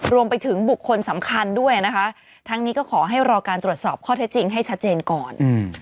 รวมไปถึงบุคคลสำคัญด้วยนะคะทั้งนี้ก็ขอให้รอการตรวจสอบข้อเท็จจริงให้ชัดเจนก่อน